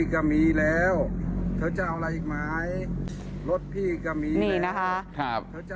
ครับ